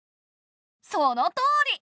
そのとおり！